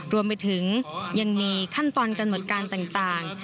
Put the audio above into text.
รวมไปถึงยังมีขั้นตอนกำหนดการต่าง